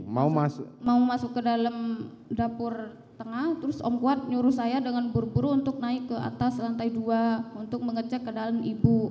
mau masuk ke dalam dapur tengah terus om kuat nyuruh saya dengan buru buru untuk naik ke atas lantai dua untuk mengecek ke dalam ibu